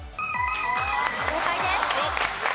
正解です。